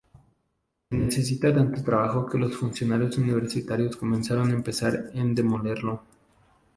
Necesita tanto trabajo que los funcionarios universitarios comenzaron a pensar en demolerlo.